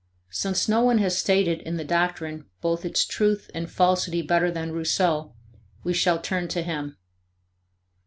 Since no one has stated in the doctrine both its truth and falsity better than Rousseau, we shall turn to him.